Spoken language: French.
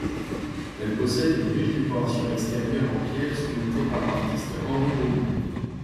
Elle possède une riche décoration extérieure en pierre sculpté par l'artiste Henry Beaumont.